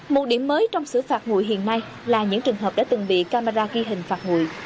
một điểm mới trong xử phạt ngụy hiện nay là những trường hợp đã từng bị camera ghi hình phạt nguội